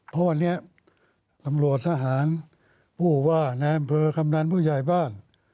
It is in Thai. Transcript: เพราะวันนี้รำรวจทหารพูดว่าแนมเภอคำนั้นผู้ใหญ่บ้าน